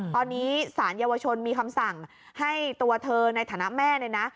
ตอนนี้สารเยาวชนมีคำสั่งให้ตัวเธอในฐานะแม่เนี่ยนะ